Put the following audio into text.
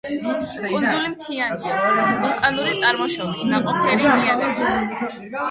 კუნძული მთიანია, ვულკანური წარმოშობის, ნაყოფიერი ნიადაგით.